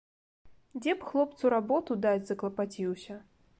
Дзе б хлопцу работу даць заклапаціўся.